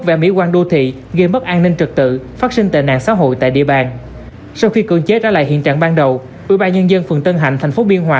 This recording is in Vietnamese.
vào thời điểm hiện nay là chưa phù hợp